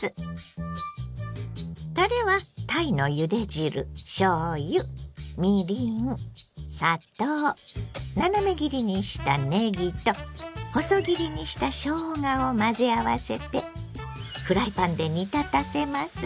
たれはたいのゆで汁しょうゆみりん砂糖斜め切りにしたねぎと細切りにしたしょうがを混ぜ合わせてフライパンで煮立たせます。